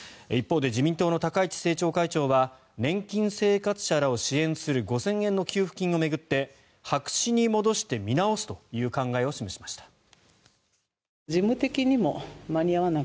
一方で自民党の高市政調会長は年金生活者らを支援する５０００円の給付金を巡って白紙に戻して見直すという考えを示しました。